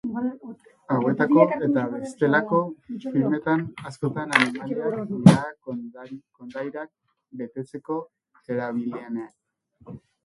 Hauetako eta bestelako filmetan, askotan animaliak dira kondairak betetzeko erabilienak.